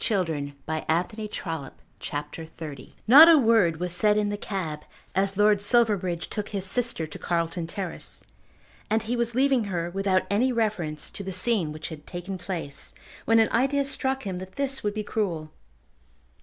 CHAPTER XXX What Came of the Meeting Not a word was said in the cab as Lord Silverbridge took his sister to Carlton Terrace, and he was leaving her without any reference to the scene which had taken place, when an idea struck him that this would be cruel.